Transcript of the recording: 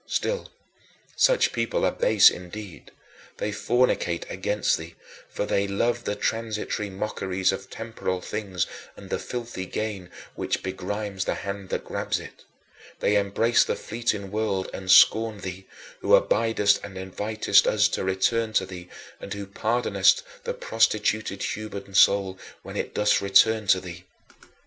Still, such people are base indeed; they fornicate against thee, for they love the transitory mockeries of temporal things and the filthy gain which begrimes the hand that grabs it; they embrace the fleeting world and scorn thee, who abidest and invitest us to return to thee and who pardonest the prostituted human soul when it does return to thee.